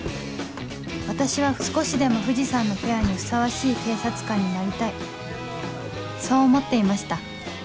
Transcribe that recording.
私は少しでも藤さんのペアにふさわしい警察官になりたいそう思っていました